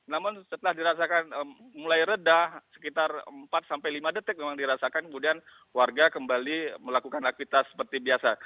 namun setelah dirasakan mulai redah sekitar empat sampai lima detik memang dirasakan kemudian warga kembali melakukan aktivitas seperti biasa